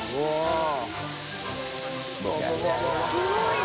すごいね！